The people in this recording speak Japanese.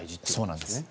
そうなんです。